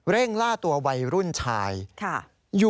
ล่าตัววัยรุ่นชาย